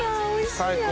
最高。